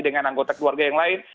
dengan anggota keluarga yang lain